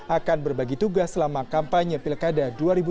akan berbagi tugas selama kampanye pilkada dua ribu delapan belas